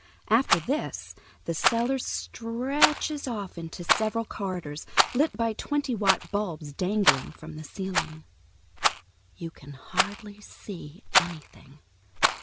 After this the cellar stretches off into several corridors, lit by twenty watt bulbs dangling from the ceiling. You can hardly see anything.